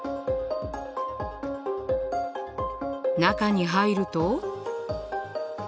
中に入ると。